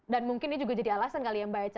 dan mungkin ini juga jadi alasan kali ya mbak echa